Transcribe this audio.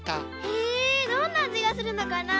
へぇどんなあじがするのかな？